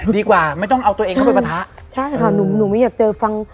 ไม่ต้องเอาตัวเองเข้าไปปะทะใช่ค่ะหนูหนูไม่อยากเจอฟัง